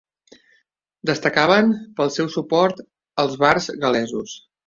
Destacaven pel seu suport als bards gal·lesos.